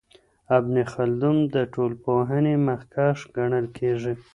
ابن خلدون د ټولنپوهنې مخکښ ګڼل کیږي.